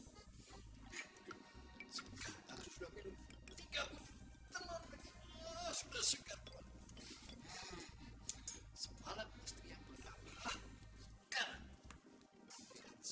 sekarang aku sudah minum tiga buah telur seperti ini sudah segar pun